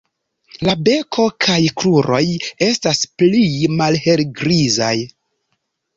La beko kaj kruroj estas pli malhelgrizaj.